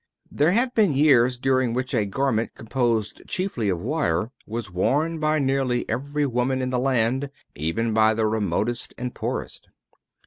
There have been years during which a garment composed chiefly of wire was worn by nearly every woman in the land, even by the remotest and poorest.